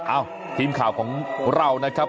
เอ้าทีมข่าวของเรานะครับ